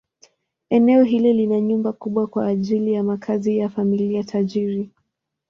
Eneo hili lina nyumba kubwa kwa ajili ya makazi ya familia tajiri.